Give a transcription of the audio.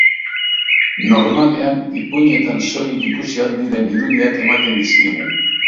Normalean, ipuinetan soilik ikusi ahal diren irudiak ematen dizkigu.